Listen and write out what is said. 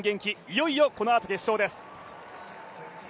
いよいよ、このあと決勝です。